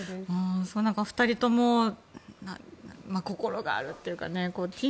２人とも心があるというか。